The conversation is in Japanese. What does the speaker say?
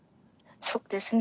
そうですね。